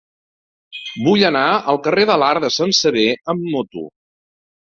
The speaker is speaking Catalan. Vull anar al carrer de l'Arc de Sant Sever amb moto.